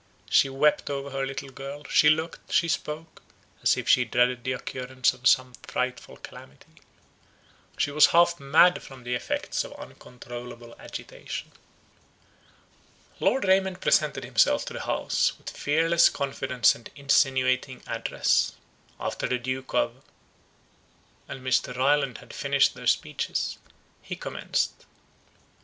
She wept over her little girl; she looked, she spoke, as if she dreaded the occurrence of some frightful calamity. She was half mad from the effects of uncontrollable agitation. Lord Raymond presented himself to the house with fearless confidence and insinuating address. After the Duke of——and Mr. Ryland had finished their speeches, he commenced.